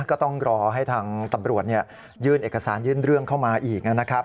ก็ต้องรอให้ทางตำรวจยื่นเอกสารยื่นเรื่องเข้ามาอีกนะครับ